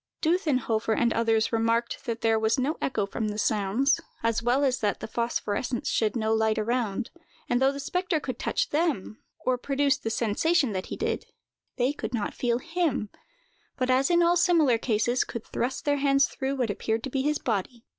Dutthenhofer and others remarked that there was no echo from the sounds, as well as that the phosphorescence shed no light around; and though the spectre could touch them, or produce the sensation that he did, they could not feel him: but, as in all similar cases, could thrust their hands through what appeared to be his body.